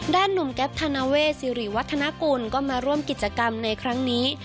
หนุ่มแก๊ปธนาเวทสิริวัฒนากุลก็มาร่วมกิจกรรมในครั้งนี้